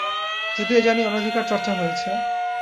যদিও জানি অনধিকার চর্চা হয়েছে।